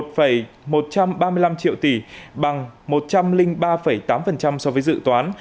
trong đó thu nội địa ước đạt một ba mươi năm triệu tỷ đồng bằng một trăm linh ba tám so với dự toán